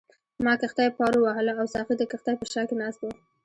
ما کښتۍ پارو وهله او ساقي د کښتۍ په شا کې ناست وو.